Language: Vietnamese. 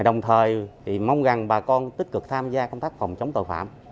đồng thời mong rằng bà con tích cực tham gia công tác phòng chống tội phạm